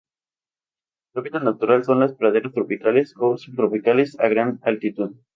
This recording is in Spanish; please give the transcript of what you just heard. Su hábitat natural son las praderas tropicales o subtropicales a gran altitud.